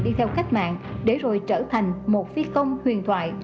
đi theo cách mạng để rồi trở thành một phi công huyền thoại